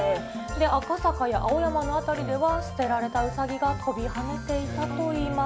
赤坂や青山の辺りでは、捨てられたうさぎが跳びはねていたといいます。